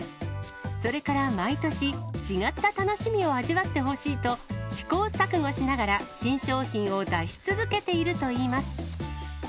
それから毎年、違った楽しみを味わってほしいと、試行錯誤しながら新商品を出し続けているといいます。